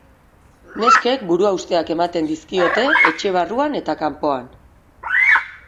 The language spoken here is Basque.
Neskek buruhausteak ematen dizkiote, etxe barruan eta kanpoan.